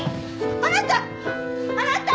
あなた！